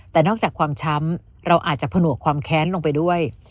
แต่นอกจากความช้ำเราอาจจะผนวกความแค้นลงไปด้วย